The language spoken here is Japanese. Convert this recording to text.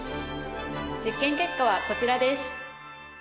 実験結果はこちらです。